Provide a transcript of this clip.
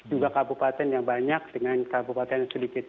juga kabupaten yang banyak dengan kabupaten yang sedikit